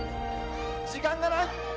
時間がない！